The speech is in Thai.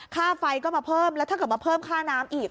ค่าไฟก็มาเพิ่มแล้วถ้าเกิดมาเพิ่มค่าน้ำอีก